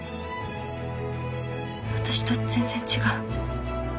私と全然違う